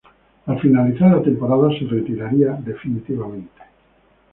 Al finalizar la temporada, se retiraría definitivamente.